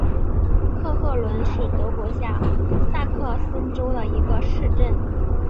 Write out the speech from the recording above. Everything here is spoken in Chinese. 克赫伦是德国下萨克森州的一个市镇。